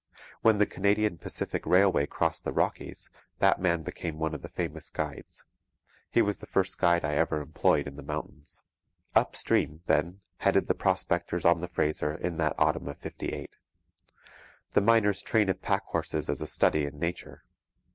When the Canadian Pacific Railway crossed the Rockies, that man became one of the famous guides. He was the first guide I ever employed in the mountains. Up stream, then, headed the prospectors on the Fraser in that autumn of '58. The miner's train of pack horses is a study in nature.